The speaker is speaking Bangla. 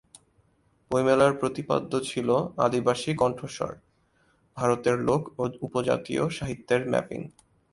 বইমেলার প্রতিপাদ্য ছিল 'আদিবাসী কণ্ঠস্বর: ভারতের লোক ও উপজাতীয় সাহিত্যের ম্যাপিং'।